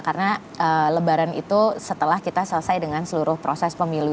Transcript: karena lebaran itu setelah kita selesai dengan seluruh proses pemilu